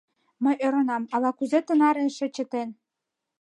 Мый ӧрынам, ала-кузе тынаре эше чытен.